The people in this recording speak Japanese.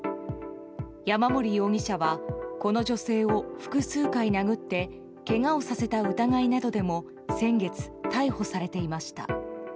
山森容疑者はこの女性を複数回殴ってけがをさせた疑いなどでも先月、逮捕されていました。